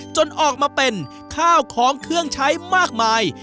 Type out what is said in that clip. จนออกมาเป็นข้าวของเครื่องใช้มากมาย